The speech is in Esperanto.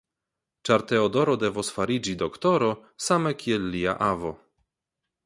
Ĉar Teodoro devos fariĝi doktoro, same kiel lia avo.